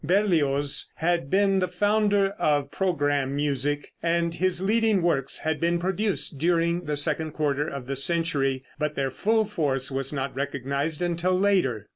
Berlioz had been the founder of programme music, and his leading works had been produced during the second quarter of the century, but their full force was not recognized until later.